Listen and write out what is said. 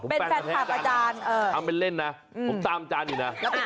เป็นแฟนคลับอาจารย์ทำเป็นเล่นนะผมตามอาจารย์อยู่นะ